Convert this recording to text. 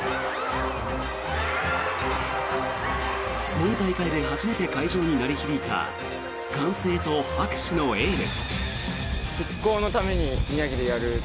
今大会で初めて会場に鳴り響いた歓声と拍手のエール。